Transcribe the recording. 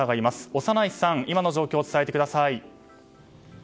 小山内さん、今の状況を伝えてください。